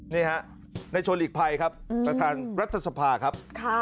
นี่ฮะในชวนหลีกภัยครับประธานรัฐสภาครับ